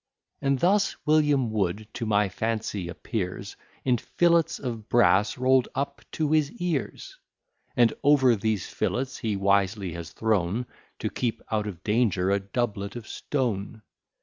And thus William Wood to my fancy appears In fillets of brass roll'd up to his ears; And over these fillets he wisely has thrown, To keep out of danger, a doublet of stone.